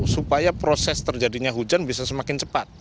supaya proses terjadinya hujan bisa semakin cepat